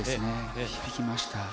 響きました。